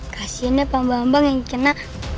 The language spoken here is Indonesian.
kasiannya pak bambang yang kena